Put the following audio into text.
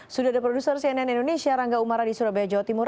sudah ada produser cnn indonesia rangga umara di surabaya jawa timur